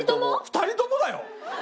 ２人ともだよ。